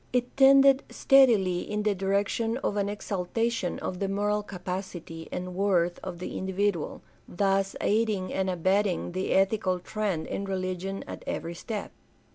It tended steadily in the direction of an exalta tion of the moral capacity and worth of the individual, thus aiding and abetting the ethical trend in religion at every step.